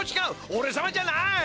おれさまじゃない！